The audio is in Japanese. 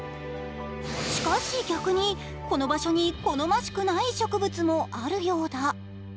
しかし逆に、この場所に好ましくない植物もあるようだ。